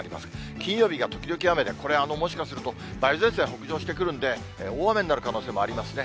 金曜日が時々雨で、これもしかすると、梅雨前線北上してくるんで、大雨になる可能性もありますね。